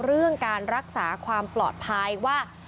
เรื่องการรักษาความปลอดภัยว่า